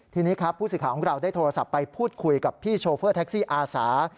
ทีนี้ครับผู้สื่อข่าวของเราได้โทรศัพท์ไปพูดคุยกับพี่โชเฟอร์แท็กซี่อาสา